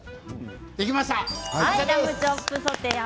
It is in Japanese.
できました。